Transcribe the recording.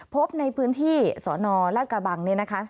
พบในพื้นที่สนราชกระบังเนี่ยนะคะ